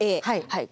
はい。